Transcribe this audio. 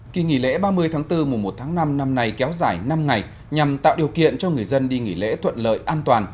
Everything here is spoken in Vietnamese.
kỳ nghỉ lễ ba mươi tháng bốn mùa một tháng năm năm nay kéo dài năm ngày nhằm tạo điều kiện cho người dân đi nghỉ lễ thuận lợi an toàn